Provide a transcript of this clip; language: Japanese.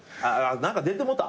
何か出てもうた？